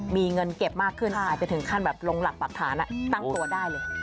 มีเงินเก็บมากขึ้นอาจจะถึงขั้นแบบลงหลักปรักฐานตั้งตัวได้เลย